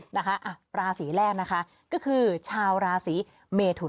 นะคะอ่ะราศีแรกนะคะก็คือชาวราศีเมทุน